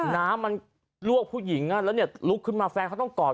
น้ำมันลวกผู้หญิงแล้วเนี่ยลุกขึ้นมาแฟนเขาต้องกอด